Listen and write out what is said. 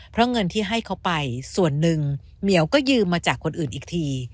เพราะเงินที่ให้เขาไปส่วนหนึ่งเหมียวก็ยืมมาจากคนอื่นอีกที